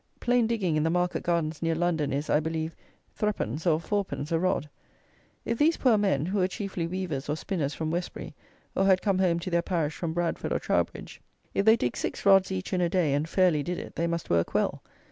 Plain digging in the market gardens near London is, I believe, 3_d._ or 4_d._ a rod. If these poor men, who were chiefly weavers or spinners from Westbury, or had come home to their parish from Bradford or Trowbridge; if they digged six rods each in a day, and fairly did it, they must work well.